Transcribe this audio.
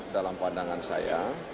dalam pandangan saya